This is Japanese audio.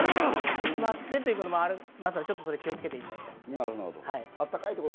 散ってしまってということもありますから、気をつけていただきたいです。